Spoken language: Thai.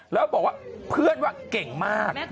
แล้วบอกว่าเพื่อนว่าเก่งมาก